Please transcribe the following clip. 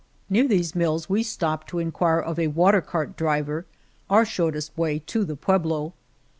Near these mills we stop to inquire of a water cart driver our shortest way to the pueblo.